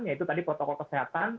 yaitu tadi protokol kesehatan